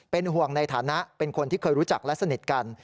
เป็นห่วงในฐานะเป็นคนที่เคยรู้จักและสนิทกัน